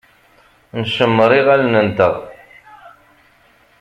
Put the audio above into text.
Ncemmeṛ iɣallen-nteɣ.